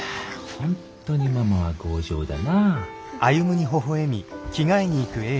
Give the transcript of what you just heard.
本当にママは強情だな。